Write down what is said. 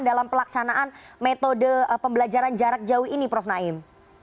dalam pelaksanaan metode pembelajaran jarak jauh ini prof naim